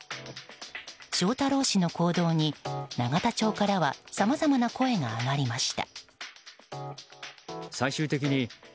翔太郎氏の行動に、永田町からはさまざまな声が上がりました。